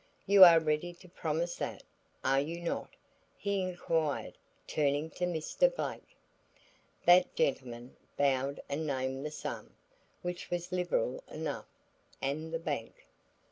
You are ready to promise that, are you not?" he inquired turning to Mr. Blake. That gentleman bowed and named the sum, which was liberal enough, and the bank.